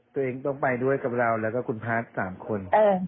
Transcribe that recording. ตัวเองต้องไปด้วยกับเราแล้วก็คุณพาร์ท๓คน